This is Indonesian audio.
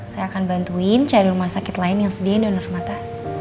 saya akan bantuin cari rumah sakit lain yang sediain donor mata